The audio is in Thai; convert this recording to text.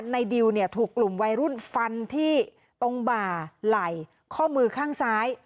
ดิวเนี่ยถูกกลุ่มวัยรุ่นฟันที่ตรงบ่าไหล่ข้อมือข้างซ้าย